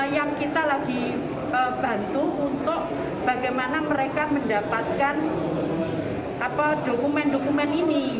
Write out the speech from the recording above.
yang kita lagi bantu untuk bagaimana mereka mendapatkan dokumen dokumen ini